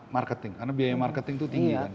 marketing karena biaya marketing itu tinggi kan